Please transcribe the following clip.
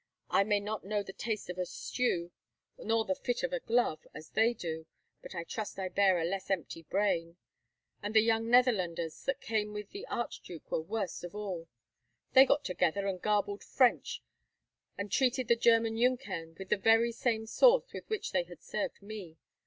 I may not know the taste of a stew, nor the fit of a glove, as they do, but I trust I bear a less empty brain. And the young Netherlanders that came with the Archduke were worst of all. They got together and gabbled French, and treated the German Junkern with the very same sauce with which they had served me.